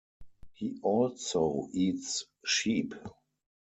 He also eats sheep.